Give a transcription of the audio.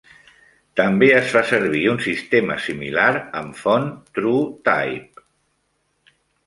També es fa servir un sistema similar amb font TrueType.